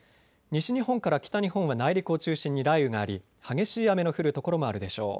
西日本から北日本は内陸を中心に雷雨があり激しい雨の降る所もあるでしょう。